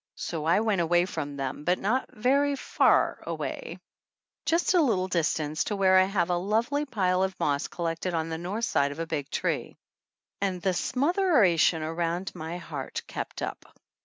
So I went away from them, but not very far away, just a little distance, to where I have a lovely pile of moss collected on the north side of a big tree. And the smotheration around my heart kept up.